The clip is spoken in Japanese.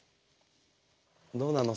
どうなの？